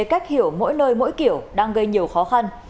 cách hiểu mỗi nơi mỗi kiểu đang gây nhiều khó khăn